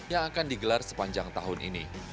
yang akan digelar sepanjang tahun ini